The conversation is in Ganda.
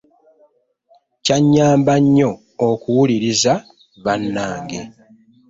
Kyannyamba nnyo okuwuliriza bannange.